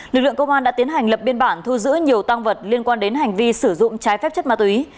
lực lượng công an đã tiến hành lập biên bản thu giữ nhiều tăng vật liên quan đến hành vi sử dụng trái phép chất ma túy